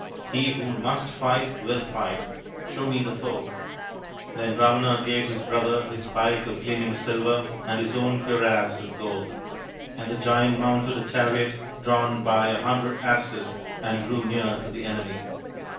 " He who must fight will fight. Show me the foe." Then Ravana gave his brother his pike of gleam ing silver and his own cuirass of gold ; and the Giant mounted a chariot drawn by a hundred asses and drew near to the enemy.